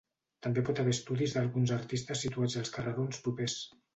També pot haver estudis d"alguns artistes situats als carrerons propers.